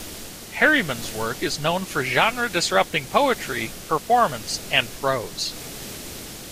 Harryman's work is known for genre-disrupting poetry, performance and prose.